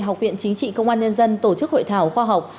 học viện chính trị công an nhân dân tổ chức hội thảo khoa học